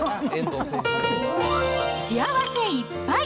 幸せいっぱい！